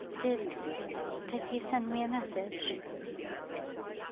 'Did did he send me a message?